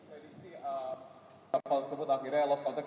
jadi si kapal tersebut akhirnya lost contact